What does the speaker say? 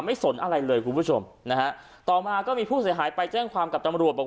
ไม่สนอะไรเลยคุณผู้ชมนะฮะต่อมาก็มีผู้เสถหายไปแจ้งความกับ